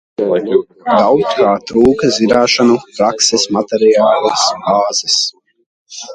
Daudz kā trūka - zināšanu, prakses, materiālās bāzes.